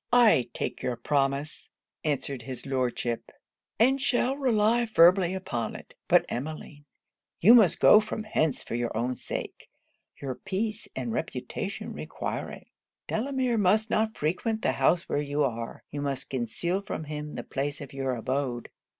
'I take your promise,' answered his Lordship, 'and shall rely firmly upon it. But Emmeline, you must go from hence for your own sake; your peace and reputation require it; Delamere must not frequent the house where you are: you must conceal from him the place of your abode.'